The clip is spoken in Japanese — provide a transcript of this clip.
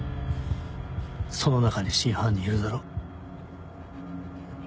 その中に真犯人いるだろ。